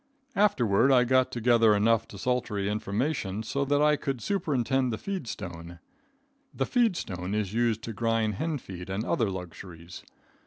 Afterward I got together enough desultory information so that I could superintend the feed stone. The feed stone is used to grind hen feed and other luxuries.